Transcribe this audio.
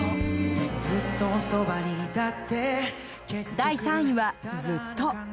第３位は「ずっと」